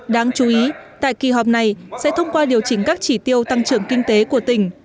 đáng chú ý tại kỳ họp này sẽ thông qua điều chỉnh các chỉ tiêu tăng trưởng kinh tế của tỉnh